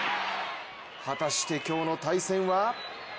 果たして、今日の対戦は。